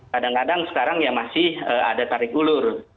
kadang kadang sekarang ya masih ada tarik ulur